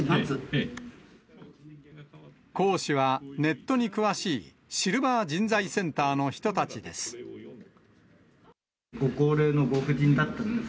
講師はネットに詳しいシルバー人材センターの人たちです。